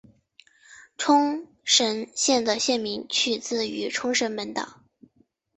冲绳县的县名取自于冲绳本岛。